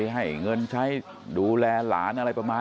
ให้เงินใช้ดูแลหลานอะไรประมาณ